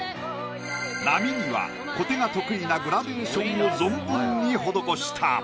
波には小手が得意なグラデーションを存分に施した。